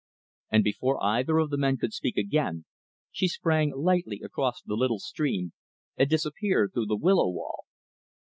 And before either of the men could speak again, she sprang lightly across the little stream, and disappeared through the willow wall.